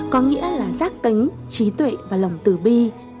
có nghĩa là giác tính trí tuệ và lòng tử bi